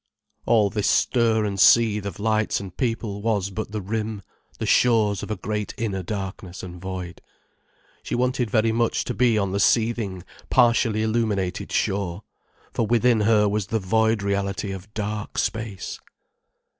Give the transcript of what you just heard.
All this stir and seethe of lights and people was but the rim, the shores of a great inner darkness and void. She wanted very much to be on the seething, partially illuminated shore, for within her was the void reality of dark space.